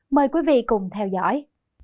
mời quý vị cùng theo dõi